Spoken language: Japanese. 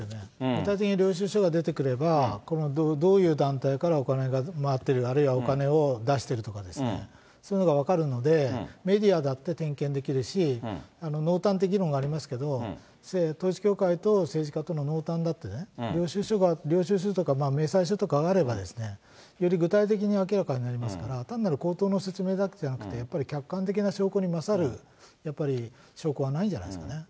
具体的に領収書が出てくれば、どういう団体からお金が回ってる、あるいはお金を出してるとかですね、そういうのが分かるので、メディアだって点検できるし、濃淡っていう議論がありますけれども、統一教会と政治家との濃淡だってね、領収書とか明細書とかがあれば、より具体的に明らかになりますから、単なる口頭の説明だけじゃなくて、やっぱり客観的な証拠に勝る証拠はないんじゃないんですかね。